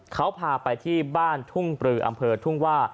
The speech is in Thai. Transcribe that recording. เขาพาไปที่บ้านทุ่งปลืออำเภอทุ่งว่า